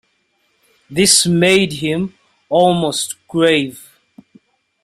This made him almost grave.